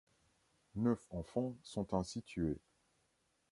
Neuf enfants sont ainsi tués.